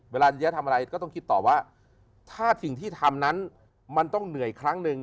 เวลาจะทำอะไรก็ต้องคิดต่อว่าถ้าสิ่งที่ทำนั้นมันต้องเหนื่อยครั้งหนึ่ง